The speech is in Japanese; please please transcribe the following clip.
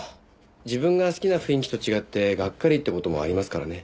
自分が好きな雰囲気と違ってがっかりって事もありますからね。